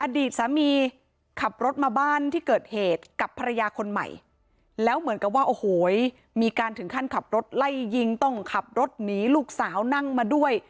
อดีตสามีขับรถมาบ้านที่เกิดเหตุกับภรรยาคนใหม่แล้วเหมือนกับว่าโอ้โหมีการถึงขั้นขับรถไล่ยิงต้องขับรถหนีลูกสาวนั่งมาด้วย